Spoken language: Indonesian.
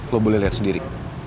lo boleh liat sendiri